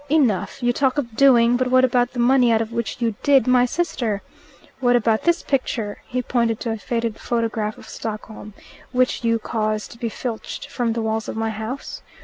"Enough. You talk of 'doing,' but what about the money out of which you 'did' my sister? What about this picture" he pointed to a faded photograph of Stockholm "which you caused to be filched from the walls of my house?